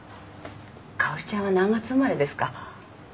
かおりちゃんは何月生まれですか？